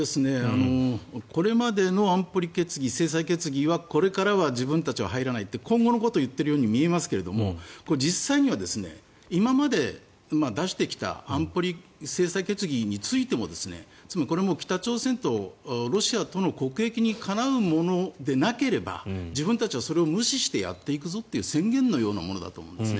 これまでの安保理決議、制裁決議はこれからは自分たちは入らないって今後のことを言っているように見えますが実際には、今まで出してきた安保理制裁決議についてもこれも北朝鮮とロシアの国益にかなうものでなければ自分たちはそれを無視してやっていくぞという宣言のようなものだと思うんです。